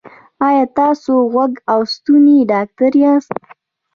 ایا تاسو د غوږ او ستوني ډاکټر یاست؟